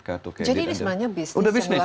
jadi ini semuanya bisnis